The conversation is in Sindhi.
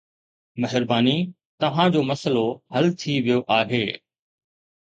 مهرباني، توهان جو مسئلو حل ٿي ويو آهي